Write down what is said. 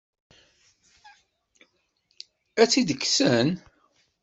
Ad tt-id-kksen?